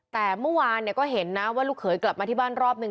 แต่เมื่อวานก็เห็นนะว่าลูกเขยกลับมาที่บ้านรอบหนึ่ง